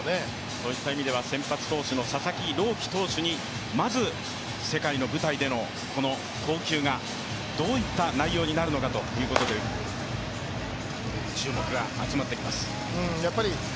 そういった意味では先発投手の佐々木朗希投手にまず、世界の舞台での投球がどういった内容になるのかということで注目が集まってきます。